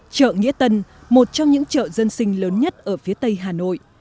chợ nghĩa tân một trong những chợ dân sinh lớn nhất ở phía tây hà nội